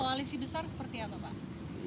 koalisi besar seperti apa pak